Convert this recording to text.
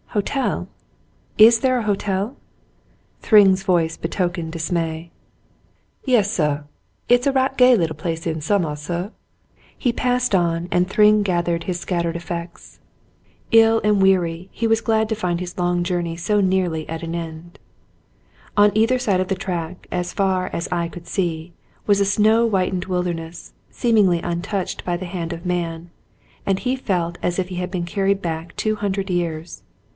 "Hotel ? Is there a hotel ?" Thryng's voice betokened dismay. "Yes, suh. It's a right gay little place in summah, suh." He passed on, and Thryng gathered his scattered 2 The Mountain Girl effects. Ill and weary, he was glad to find his long jour ney so nearly at an end. On either side of the track, as far as eye could see, was a snow whitened wilderness, seemingly untouched by the hand of man, and he felt as if he had been carried back two hundred years.